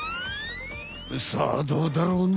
さあどうだろうね。